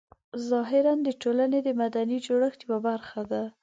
ظاهراً د ټولنې د مدني جوړښت یوه برخه ده.